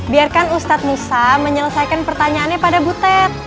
biarkan ustad musa menyelesaikan pertanyaannya pada butet